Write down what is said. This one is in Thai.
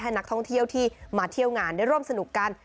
นักท่องเที่ยวที่มาเที่ยวงานได้ร่วมสนุกกัน